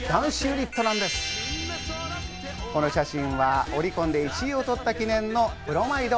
この写真はオリコンで１位をとった記念のプロマイド。